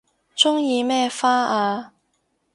鍾意咩花啊